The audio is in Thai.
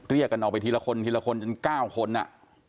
เรียกกันออกไปทีละคนทีละคนจน๙คนอ่ะ